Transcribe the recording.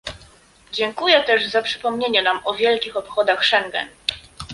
Dziękuję też za przypomnienie nam o wielkich obchodach Schengen